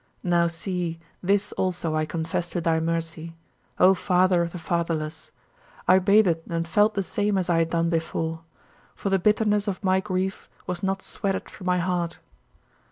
Now see, this also I confess to thy mercy, "O Father of the fatherless": I bathed and felt the same as I had done before. For the bitterness of my grief was not sweated from my heart.